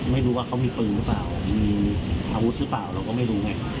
ไม่รู้ว่าเขามีปืนหรือเปล่ามีอาวุธหรือเปล่าเราก็ไม่รู้ไง